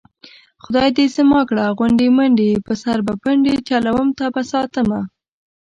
خدای دې زما کړه غونډې منډې په سر به پنډې چلوم تابه ساتمه